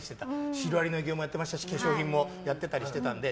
シロアリの営業もやってたし化粧品の紹介もやってましたので。